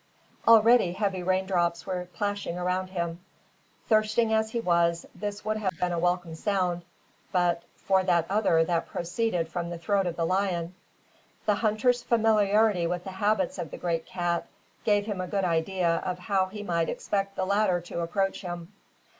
Already heavy rain drops were plashing around him. Thirsting as he was, this would have been a welcome sound, but for that other that proceeded from the throat of the lion. The hunter's familiarity with the habits of the great cat gave him a good idea of how he might expect the latter to approach him.